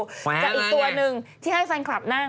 ไข่ห้างแล้วไงจากอีกตัวหนึ่งที่ให้ฟันคลับนั่ง